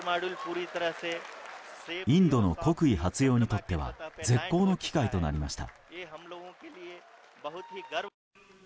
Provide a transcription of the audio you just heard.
インドの国威発揚にとっては絶好の機会となりました。